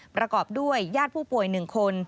ประกอบด้วยญาติผู้ป่วย๑คน